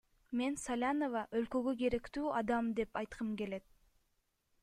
Мен Салянова – өлкөгө керектүү адам деп айткым келет.